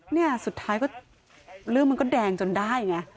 เนี่ยสุดท้ายก็เรื่องมันก็แดงจนได้ไง